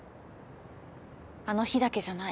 あの日だけじゃない。